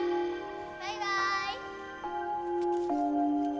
バイバーイ。